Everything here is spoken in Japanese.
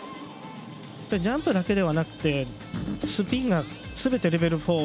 ジャンプだけじゃなくスピンがすべてレベル